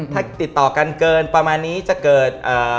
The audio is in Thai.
ถ้าติดต่อกันเกินประมาณนี้จะเกิด